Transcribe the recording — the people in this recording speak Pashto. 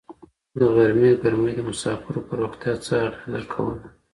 د غرمې ګرمۍ د مسافرو پر روغتیا څه اغېزه کوله؟